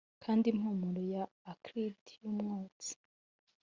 kandi impumuro ya acrid yumwotsi.